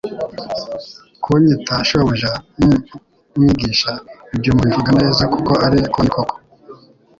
kunyita Shobuja n'Umwigisha, ibyo mubivuga neza, kuko ari ko ndi koko.